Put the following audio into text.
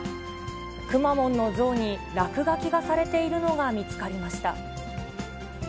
くまモンの像に落書きがされているのが見つかりました。